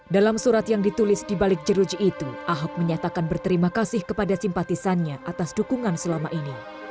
dalam surat yang ditulis di balik jeruji itu ahok menyatakan berterima kasih kepada simpatisannya atas dukungan selama ini